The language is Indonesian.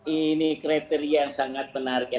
ini kriteria yang sangat menarik ya